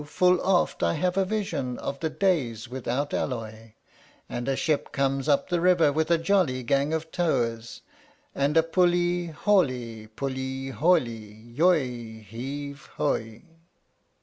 full oft I have a vision of the days without alloy, And a ship comes up the river with a jolly gang of towers, And a "pull'e haul'e, pull'e haul'e, yoy! heave, hoy!"